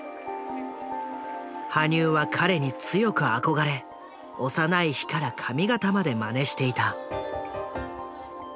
羽生は彼に強く憧れ幼い日から髪形までマネしていた。